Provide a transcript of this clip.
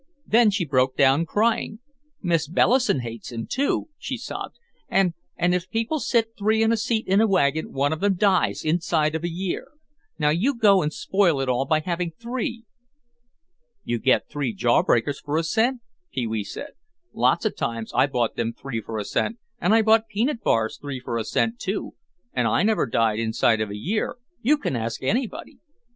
Then she broke down crying, "Miss Bellison hates him, too," she sobbed, "and—and if people sit three in a seat in a wagon one of them dies inside of a year. Now you go and spoil it all by having three." "You get three jawbreakers for a cent," Pee wee said. "Lots of times I bought them three for a cent, and I bought peanut bars three for a cent too, and I never died inside of a year, you can ask anybody."